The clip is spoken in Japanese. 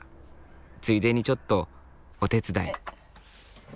ついでにちょっとお手伝い。